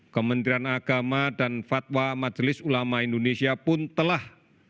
kementerian agama dan fatwa majelis ulama indonesia pun telah